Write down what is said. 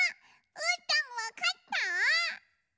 うーたんわかった？